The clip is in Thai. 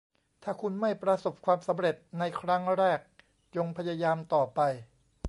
ถ้าคุณไม่ประสบความสำเร็จในครั้งแรก จงพยายามต่อไป